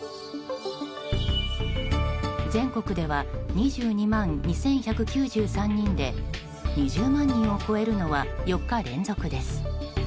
全国では２２万２１９３人で２０万人を超えるのは４日連続です。